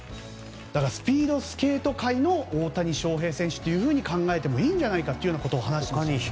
だからスピードスケート界の大谷翔平選手と考えてもいいんじゃないかということを話していました。